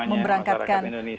amin amin mohon doa kemuanya